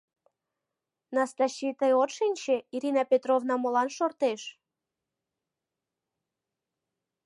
Настачи, тый от шинче, Ирина Петровна молан шортеш?